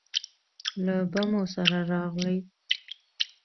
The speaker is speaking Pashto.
له بمو سره راغلې